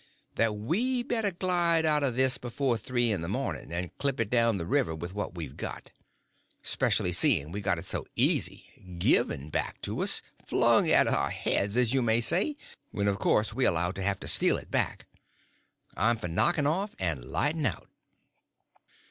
"That we better glide out of this before three in the morning, and clip it down the river with what we've got. Specially, seeing we got it so easy—given back to us, flung at our heads, as you may say, when of course we allowed to have to steal it back. I'm for knocking off and lighting out."